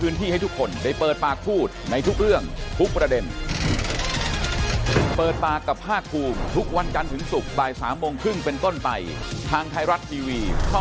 นี่คือสิ่งที่